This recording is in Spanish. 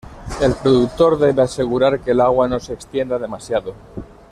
El productor debe asegurar que el agua no se extienda demasiado.